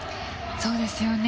そうですよね。